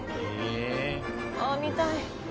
ああ見たい。